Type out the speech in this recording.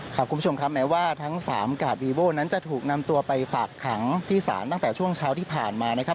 คุณผู้ชมครับแม้ว่าทั้งสามกาดวีโบ้นั้นจะถูกนำตัวไปฝากขังที่ศาลตั้งแต่ช่วงเช้าที่ผ่านมานะครับ